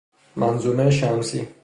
منظومه شمسی